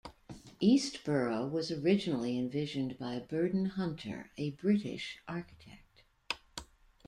Eastborough was originally envisioned by Burdon Hunter, a British architect.